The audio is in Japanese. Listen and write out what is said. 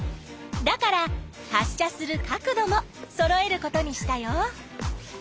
だから発しゃする角度もそろえることにしたよ。